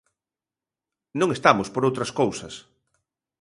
Non estamos por outras cousas.